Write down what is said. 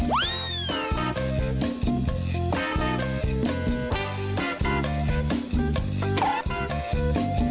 วิธีแบบไหนไปดูกันเล็ก